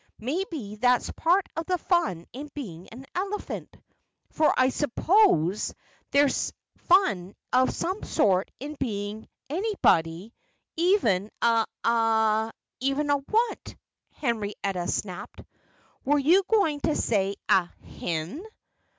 "Maybe that's part of the fun in being an elephant. For I suppose there's fun of some sort in being anybody, even a a a " "Even a what?" Henrietta snapped. "Were you going to say a _Hen?